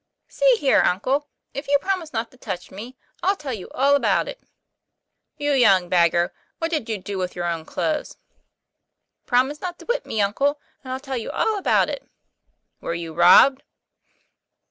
" See here, uncle, if you promise not to touch me, I'll tell you all about it." " You young beggar, what did you do with your own clothes ?' "Promise not to whip me, uncle, and I'll tell you all about it." " Were you robbed